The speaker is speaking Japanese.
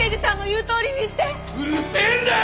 うるせえんだよ！